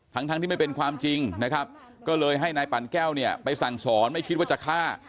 ทั้งทั้งที่ไม่เป็นความจริงนะครับก็เลยให้นายปั่นแก้วเนี่ยไปสั่งสอนไม่คิดว่าจะฆ่า